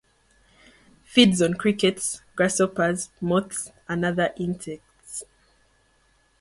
Feeds on crickets, grasshoppers, moths and other insects.